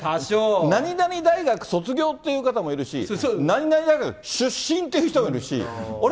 何々大学卒業という方もいるし、何々大学出身っていう人もいるし、あれ？